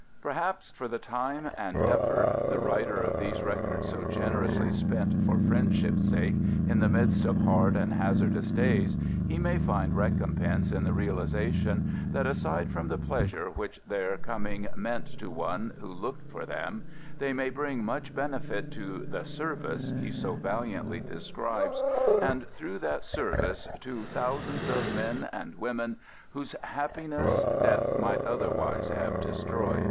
Perhaps for the time and effort the PREFACE v writer of these records so generously spent for friendship's sake in the midst of hard and hazardous days he may find recom pense in the realization that, aside from the pleasure which their coming meant to one who looked for them, they may bring much benefit to " the Service " he so valiantly describes, and through that service, to thousands of men and women whose happiness death might otherwise have destroyed.